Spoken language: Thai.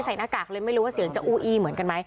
สักครั้งแรกใส่เสียงฟังหนู